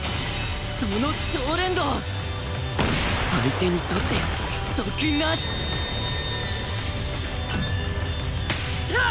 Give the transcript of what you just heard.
その超連動相手にとって不足なし！よっしゃ！！